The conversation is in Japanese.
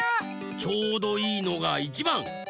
ちょうどいいのがいちばん。